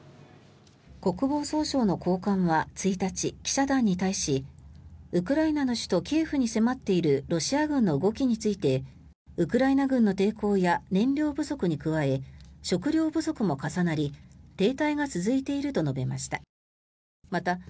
国防総省の高官は１日記者団に対しウクライナの首都キエフに迫っているロシア軍の動きについてウクライナ軍の抵抗や燃料不足に加え食料不足も重なり停滞が続いていると述べました。